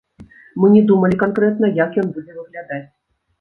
Мы не думалі канкрэтна, як ён будзе выглядаць.